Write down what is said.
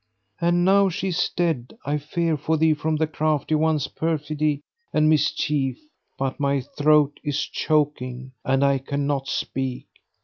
And now she is dead I fear for thee from the Crafty One's perfidy and mischief; but my throat is choking and I cannot speak."